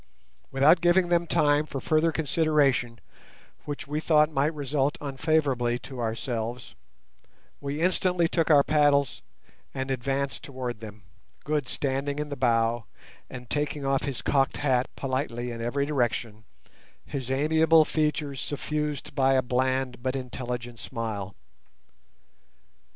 Without giving them time for further consideration, which we thought might result unfavourably to ourselves, we instantly took our paddles and advanced towards them, Good standing in the bow and taking off his cocked hat politely in every direction, his amiable features suffused by a bland but intelligent smile.